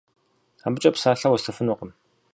Абыкӏэ псалъэ уэстыфынукъым.